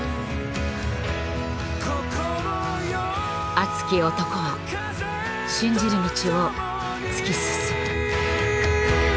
熱き男は信じる道を突き進む。